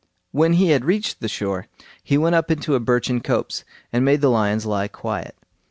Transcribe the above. When he had reached the shore he went up into a birchen copse, and made the lions lie quiet.